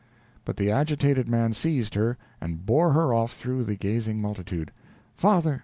But the agitated man seized her, and bore her off through the gazing multitude. "Father!"